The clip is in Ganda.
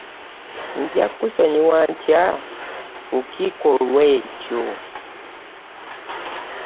Nga nkusonyiwa ntya ku kikolwa ekyo?